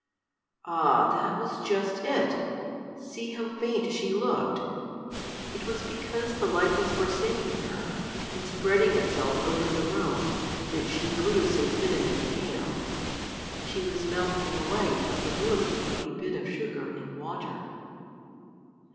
Ah, that was just it! See how faint she looked! It was because the light was forsaking her, and spreading itself over the room, that she grew so thin and pale. She was melting away from the roof like a bit of sugar in water.